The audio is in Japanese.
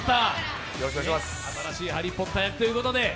新しいハリー・ポッター役ということで。